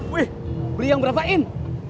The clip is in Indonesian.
weh beli yang berapa im